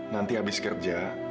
nanti habis kerja